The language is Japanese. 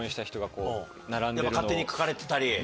やっぱ勝手に書かれてたり。